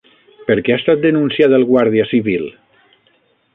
Per què ha estat denunciat el Guàrdia Civil?